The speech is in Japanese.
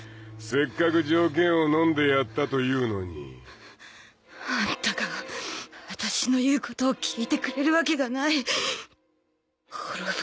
せっかく条件をのんでやったというのにアンタが私の言うことを聞いてくれるわけがない滅ぶ